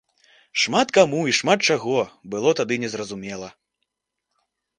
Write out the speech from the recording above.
Шмат каму і шмат чаго было тады незразумела.